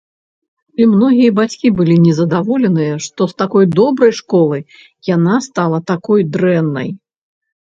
І многія бацькі былі незадаволеныя, што з такой добрай школы яна стала такой дрэннай.